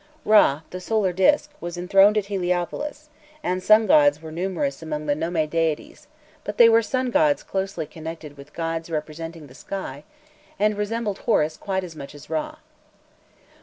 Râ, the solar disk, was enthroned at Heliopolis, and sun gods were numerous among the nome deities, but they were sun gods closely connected with gods representing the sky, and resembled Horus quite as much as Râ.